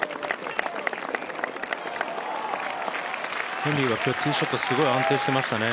ヘンリーは今日ティーショット、すごい安定していましたね。